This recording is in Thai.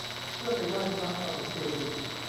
เพื่อไปไหว้พระปฐมเจดีย์